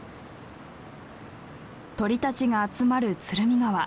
鳥たちが集まる鶴見川。